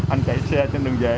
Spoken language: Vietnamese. anh chạy xe trên đường về